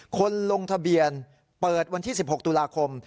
คนลงทะเบียนเปิดวันที่๑๖ตุลาคม